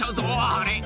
「あれ？